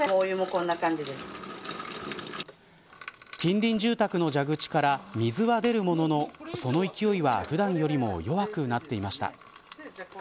近隣住宅の蛇口から水は出るもののその勢いは普段よりも弱くなっていました。